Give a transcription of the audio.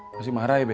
masih marah ya be